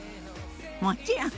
もちろん！